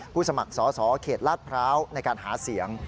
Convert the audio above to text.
ผู้สมัครสศเขตราซพร้าวในการหาเสียง